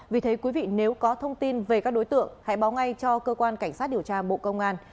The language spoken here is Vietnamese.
vì thế quý vị nếu có thông tin về các đối tượng hãy báo ngay cho cơ quan cảnh sát điều tra bộ công an